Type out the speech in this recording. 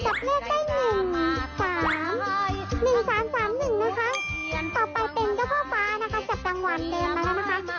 ต่อไปเป็นเจ้าพ่อฟ้านะคะจับดังหวานเต็มมาแล้วนะคะ